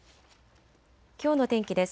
きょうの天気です。